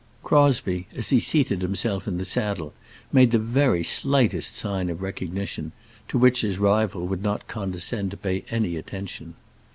Crosbie, as he seated himself in the saddle, made the very slightest sign of recognition, to which his rival would not condescend to pay any attention.